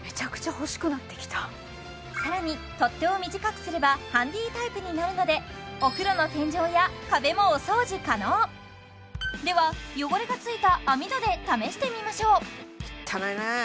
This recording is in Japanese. すごいね更に取っ手を短くすればハンディタイプになるのでお風呂の天井や壁もお掃除可能では汚れがついた網戸で試してみましょうきったないねえ